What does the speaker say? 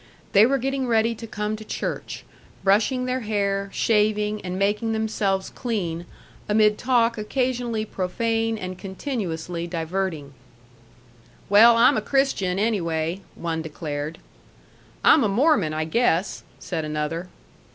They were getting ready to come to church, brushing their hair, shaving, and making themselves clean, amid talk occasionally profane and continuously diverting. "Well, I'm a Christian, anyway," one declared. "I'm a Mormon, I guess," said another.